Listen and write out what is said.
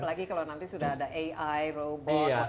apalagi kalau nanti sudah ada ai robot automation dan lain sebagainya